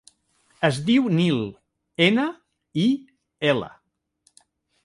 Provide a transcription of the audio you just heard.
Es diu Nil: ena, i, ela.